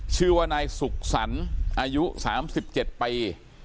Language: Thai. ชื่อว่านายสุขสรรค์อายุ๓๗ปี